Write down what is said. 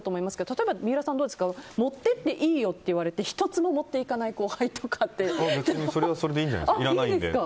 例えば、三浦さんどうですか持っていっていいよって言われて１つも持っていかない後輩とか。別にそれはそれでいいんじゃないですか。